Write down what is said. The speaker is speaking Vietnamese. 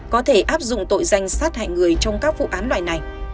có thể áp dụng tội danh sát hại người trong các vụ án loài này